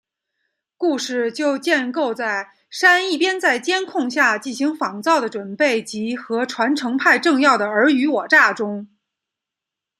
故事就建构在珊一边在监控下进行仿造的准备及和传承派政要的尔虞我诈中。